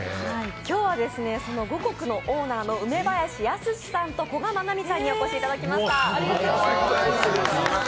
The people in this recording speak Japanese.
今日は五穀のオーナーの梅林靖史さんと古賀愛望さんにお越しいただきました。